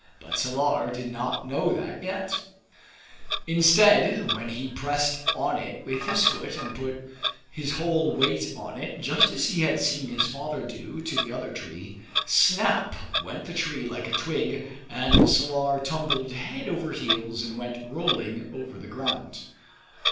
But Salar did not know that yet! [Illustration: An Elephant Breaking a Tree with his Foot] Instead, when he pressed on it with his foot and put his whole weight on it, just as he had seen his father do to the other tree, snap went the tree like a twig, and Salar tumbled head over heels and went rolling over the ground.